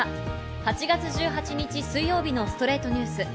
８月１８日、水曜日の『ストレイトニュース』。